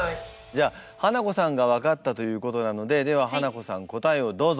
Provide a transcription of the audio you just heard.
じゃあハナコさんが分かったということなのでではハナコさん答えをどうぞ。